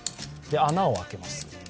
穴を開けます。